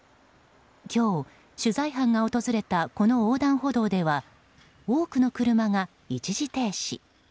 今日、取材班が訪れたこの横断歩道では多くの車が一時停止。